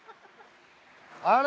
あれ。